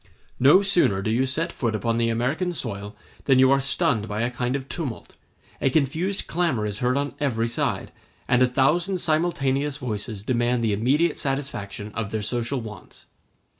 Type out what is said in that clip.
No sooner do you set foot upon the American soil than you are stunned by a kind of tumult; a confused clamor is heard on every side; and a thousand simultaneous voices demand the immediate satisfaction of their social wants.